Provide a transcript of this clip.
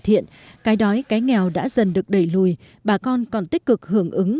cải thiện cái đói cái nghèo đã dần được đẩy lùi bà con còn tích cực hưởng ứng